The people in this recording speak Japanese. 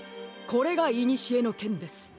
これがいにしえのけんです。